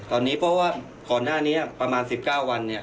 ตอนนี้เพราะว่าขอน่านี้ประมาณ๑๙วัน